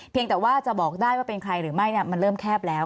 แต่ว่าจะบอกได้ว่าเป็นใครหรือไม่มันเริ่มแคบแล้ว